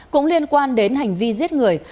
cũng liên quan đến hành vi giết người